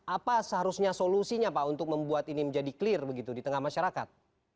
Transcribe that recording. apa seharusnya solusinya pak untuk membuat ini menjadi clear begitu di tengah masyarakat